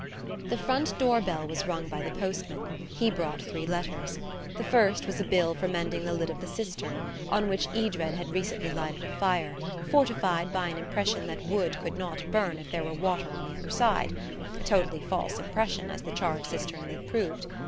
The front door bell was rung by the postman; he brought three letters. The first was a bill for mending the lid of the cistern, on which Edred had recently lighted a fire, fortified by an impression that wood could not burn if there were water on the other side–a totally false impression, as the charred cistern lid proved.